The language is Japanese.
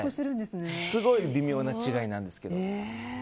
すごい微妙な違いなんですけど。